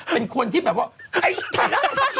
เป็นคนที่แบบว่าไอ้จ๊ะ